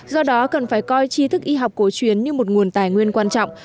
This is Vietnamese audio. do đó cần phải coi chi thức y học cổ truyền như một nguồn tài nguyên quan trọng